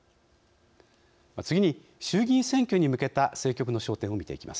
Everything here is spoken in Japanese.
次に衆議院選挙に向けた政局の焦点を見ていきます。